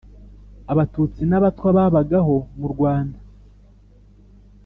Abatutsi n abatwa babagaho mu rwanda